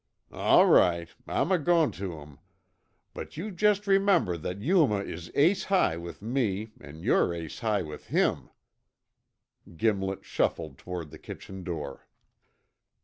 "All right, I'm a goin' tuh 'em. But you jest remember that Yuma is ace high with me an' yore ace high with him." Gimlet shuffled toward the kitchen door.